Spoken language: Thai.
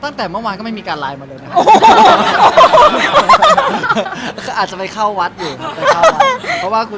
ตั้งแต่เมื่อวานก็ไม่มีการไลน์มาเลยนะครับ